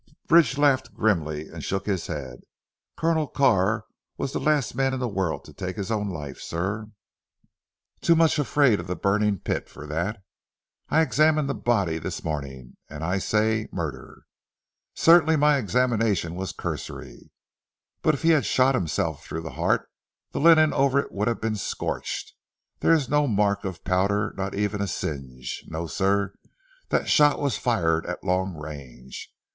Bridge laughed grimly and shook his head. "Colonel Carr was the last man in the world to take his own life sir, too much afraid of the burning pit for that. I examined the body this morning, and I say murder. Certainly my examination was cursory. But if he had shot himself through the heart, the linen over it would have been scorched. There is no mark of powder not even a singe. No sir, that shot was fired at a long range.